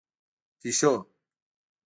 🐈 پېشو